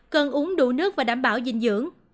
cần uống đủ nước và đảm bảo dinh dưỡng